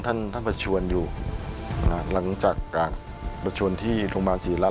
ท่านผู้ประชวนอยู่หลังจากผู้ประชวนที่โรงพยาบาลศิราช